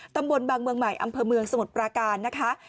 ตำบลบางเมืองใหม่อำเภอเมืองสมุทรปราการนะคะ